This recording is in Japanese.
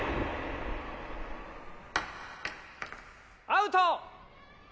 アウト！